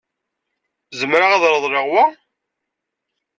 Zemreɣ ad reḍleɣ wa?